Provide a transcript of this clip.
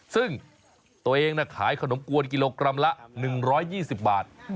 ซึ่งตัวเองขายขนมกวนกิโลกรัมละ๑๒๐บาท